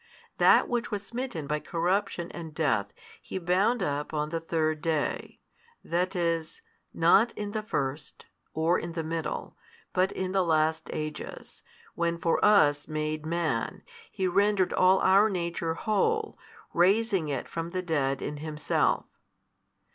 That which was smitten by corruption and death He bound up on the third day: that is, not in the first, or in the middle, but in the last ages, when for us made Man, He rendered all our nature whole, raising it from the dead in Himself.